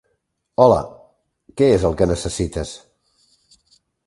Hola, què és el que necessites?